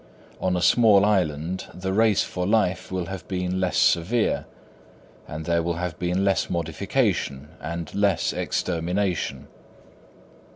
On a small island, the race for life will have been less severe, and there will have been less modification and less extermination.